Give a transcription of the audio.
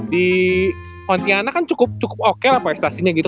di pontianak kan cukup oke lah prestasinya gitu